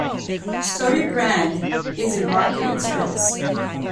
StoryBrand is a marketing service.